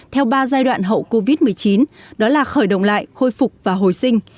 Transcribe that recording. theo ba giai đoạn hậu covid một mươi chín đó là khởi động lại khôi phục và hồi sinh